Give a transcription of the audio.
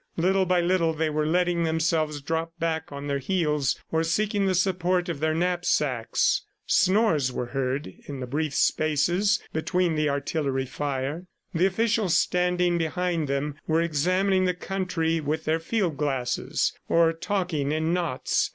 Little by little they were letting themselves drop back on their heels, or seeking the support of their knapsacks. Snores were heard in the brief spaces between the artillery fire. The officials standing behind them were examining the country with their field glasses, or talking in knots.